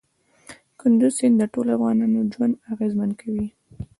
کندز سیند د ټولو افغانانو ژوند اغېزمن کوي.